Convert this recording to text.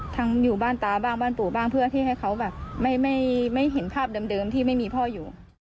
อยู่บ้านตาบ้างบ้านปู่บ้างเพื่อที่ให้เขาแบบไม่เห็นภาพเดิมที่ไม่มีพ่ออยู่